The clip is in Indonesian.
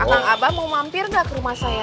akang abah mau mampir gak ke rumah saya